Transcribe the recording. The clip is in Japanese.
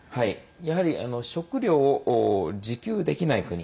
やはり食糧を自給できない国。